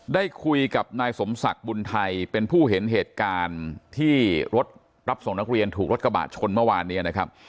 ได้คุยกับนายสมศักดิ์บุญไทยเป็นผู้เห็นเหตุการณ์ที่รถรับส่งนักเรียนถูกรถกระบะชนเมื่อวานนี้นะครับ